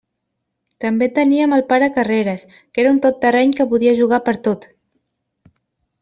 També teníem el pare Carreres, que era un tot terreny que podia jugar pertot.